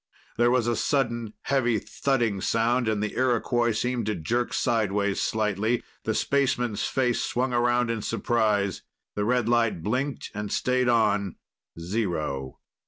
There was a sudden heavy thudding sound, and the Iroquois seemed to jerk sideways slightly. The spaceman's face swung around in surprise. The red light blinked and stayed on. Zero!